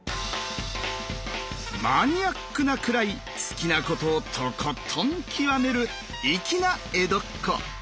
マニアックなくらい好きなことをとことん極める粋な江戸っ子。